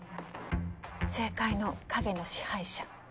政界の陰の支配者